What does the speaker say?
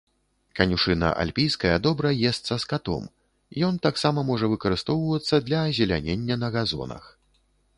Канюшына альпійская добра есца скатом, ён таксама можа выкарыстоўвацца для азелянення на газонах.